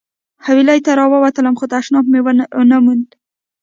حویلۍ ته راووتلم خو تشناب مې ونه موند.